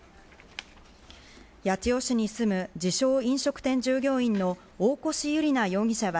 八千代市に住む自称・飲食店従業員の大越悠莉奈容疑者は、